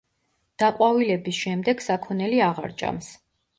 დაყვავილების შემდეგ საქონელი აღარ ჭამს.